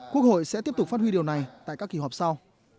quốc hội sẽ tiếp tục phát huy điều này tại các kỳ họp sau